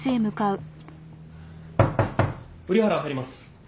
瓜原入ります。